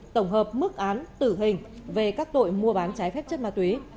tổng hợp mức án tử hình về các tội mua bán trái phép chất ma túy